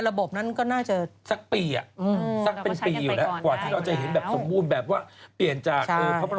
เราก็จะเริ่มเห็นพระม้าชายทรัพย์และราชการที่๑๐มากขึ้น